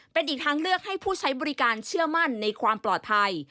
เป็นอีกทางเลือกให้ผู้ใช้บริการเชื่อมั่นในความปลอดภัย